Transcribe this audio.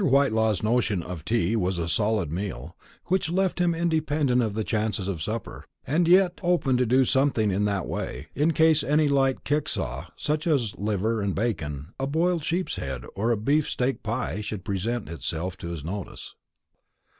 Whitelaw's notion of tea was a solid meal, which left him independent of the chances of supper, and yet open to do something in that way; in case any light kickshaw, such as liver and bacon, a boiled sheep's head, or a beef steak pie, should present itself to his notice.